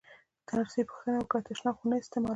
نرسې پوښتنه وکړه: تشناب خو نه استعمالوې؟